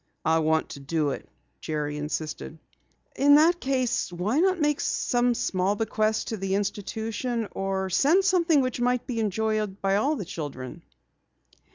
"I want to do it," Jerry insisted. "In that case, why not make some small bequest to the institution, or send something which may be enjoyed by all the children."